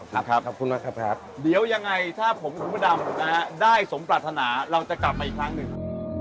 ถ้าผมคุณพระดำได้สมปรารถนาเราจะกลับไปอีกครั้งหนึ่ง